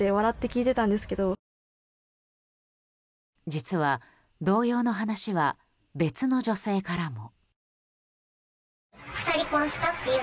実は同様の話は別の女性からも。